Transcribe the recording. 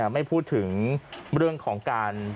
ไม่พูดถึงเรื่องของการ